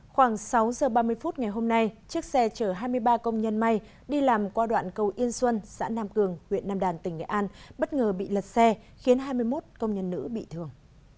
khoảng sáu giờ ba mươi phút ngày hôm nay chiếc xe chở hai mươi ba công nhân may đi làm qua đoạn cầu yên xuân xã nam cường huyện nam đàn tỉnh nghệ an bất ngờ bị lật xe khiến hai mươi một công nhân nữ bị thương